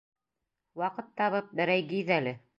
Ваҡыт табып, берәй гиҙ әле!